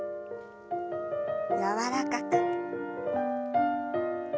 柔らかく。